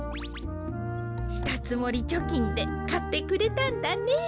したつもりちょきんでかってくれたんだね。